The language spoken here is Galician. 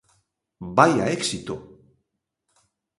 ¡Vaia éxito!